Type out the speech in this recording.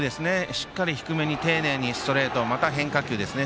しっかり低めに丁寧にストレートまたは変化球ですね。